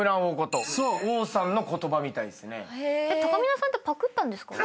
たかみなさんってパクったんですか？